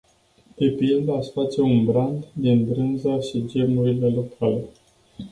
De pildă, aș face un brand din brânza și gemurile locale.